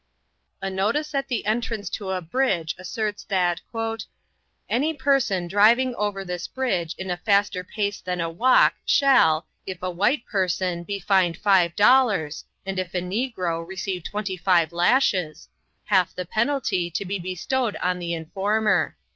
A notice at the entrance to a bridge asserts that "any person driving over this bridge in a faster pace than a walk shall, if a white person be fined five dollars, and if a negro receive twenty five lashes, half the penalty to be bestowed on the informer."